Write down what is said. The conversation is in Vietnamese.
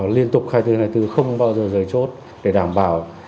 liên tục hai mươi bốn hai mươi bốn không bao giờ rời chốt để đảm bảo